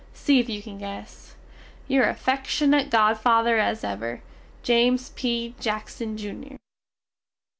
See if you can guess. Your affeckshunate godfather as ever, James P. Jackson Jr.